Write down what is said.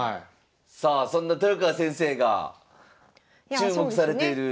さあそんな豊川先生が注目されている。